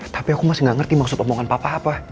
tapi aku masih gak ngerti maksud omongan papa apa